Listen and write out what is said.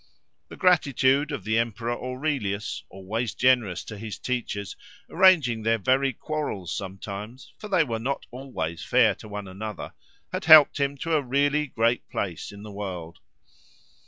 The gratitude of the emperor Aurelius, always generous to his teachers, arranging their very quarrels sometimes, for they were not always fair to one another, had helped him to a really great place in the world.